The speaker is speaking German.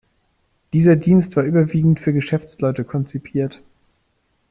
Dieser Dienst war überwiegend für Geschäftsleute konzipiert.